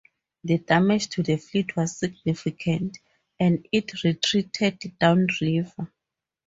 The damage to the fleet was significant and it retreated downriver.